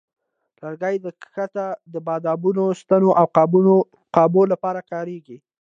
لرګي د کښتو د بادبانو، ستنو، او قابو لپاره کارېږي.